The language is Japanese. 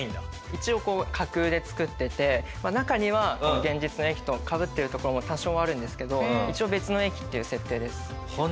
一応架空で作っていて中には現実の駅とかぶってる所も多少あるんですけど一応別の駅っていう設定です。